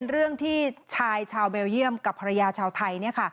เรื่องที่ชายชาวเบลเยี่ยมกับภรรยาชาวไทย